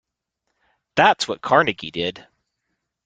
That's what Carnegie did.